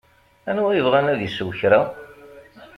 Anwa yebɣan ad isew kra?